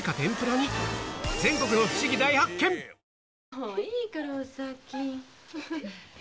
もういいからお咲。